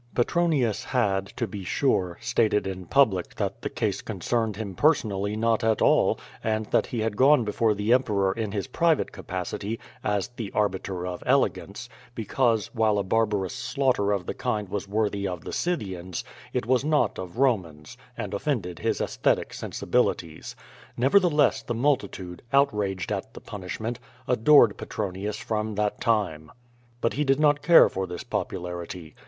Petronius had, to be sure, stated in public that the case concerned hiui personally not at all, and that he had gone before the Em peror in his private capacity, as the arbiter of elegance, because, while a barbarous slaughter of the kind was worthy of the Scythians, it was not of Romans, and offended his aesthetic sensibilities. Nevertheless, the multitude, outrage<l/ at the punishment, adored Petronius from that time. But he did not care for this popularity.